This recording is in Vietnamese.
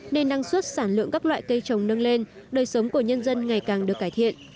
nên năng suất sản lượng các loại cây trồng nâng lên đời sống của nhân dân ngày càng được cải thiện